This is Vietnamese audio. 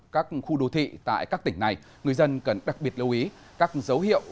các khu đô thị tại các tỉnh này người dân cần đặc biệt lưu ý các dấu hiệu